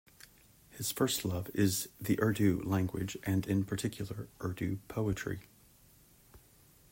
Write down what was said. His first love is the Urdu language and in particular Urdu poetry.